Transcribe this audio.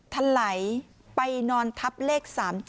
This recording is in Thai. ทะไหลไปนอนทับเลข